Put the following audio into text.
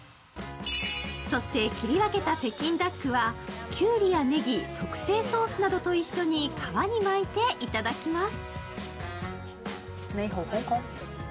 そして切り分けた北京ダックはきゅうりやねぎ、特製ソースなどと一緒に皮に巻いていただきます。